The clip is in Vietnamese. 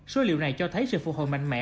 số liệu này cho thấy sự phục hồi mạnh mẽ